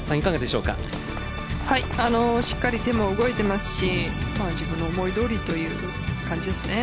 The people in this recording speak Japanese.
しっかり手も動いていますし自分の思いどおりという感じですね。